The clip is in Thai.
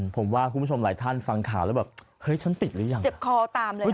ผมว่าคุณผู้ชมหลายท่านฟังข่าวแล้วแบบเฮ้ยฉันติดหรือยังเจ็บคอตามเลย